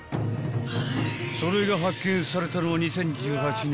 ［それが発見されたのは２０１８年］